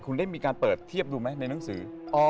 คุณได้มีการเปิดเทียบดูไหมในหนังสือ